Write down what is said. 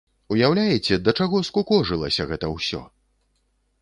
Уяўляеце, да чаго скукожылася гэта ўсё?